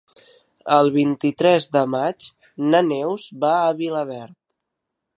El vint-i-tres de maig na Neus va a Vilaverd.